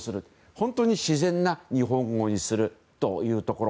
本当に自然な日本語にするというところ。